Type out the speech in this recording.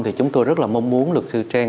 thì chúng tôi rất là mong muốn luật sư trang